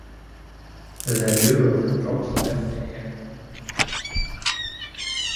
The duo then promptly left the area.